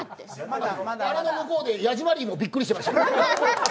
向こうでヤジマリーもびっくりしていましたよ。